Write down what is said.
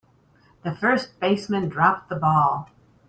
The first baseman dropped the ball.